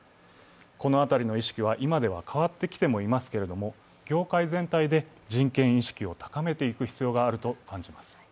この辺りの意識は今では変わってきてもいますけれども、業界全体で人権意識を高めていく必要があると思っています。